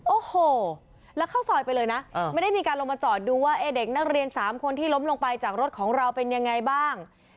โอ้โหแล้วเข้าซอยไปเลยนะไม่ได้มีการลงมาจอดดูว่าเด็กนักเรียน๓คนที่ล้มลงไปจากรถของเราเป็นยังไงบ้าง